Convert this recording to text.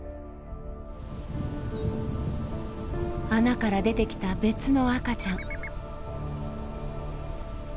穴から出てきた別の赤ちゃん。